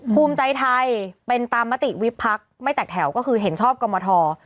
ภูมิใจไทยเป็นตามมติวิบพักไม่แตกแถวก็คือเห็นชอบกรมท